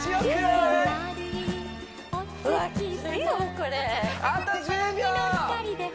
これあと１０秒！